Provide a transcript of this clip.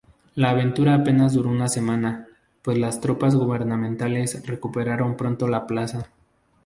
La aventura apenas duró una semana, pues las tropas gubernamentales recuperaron pronto la plaza.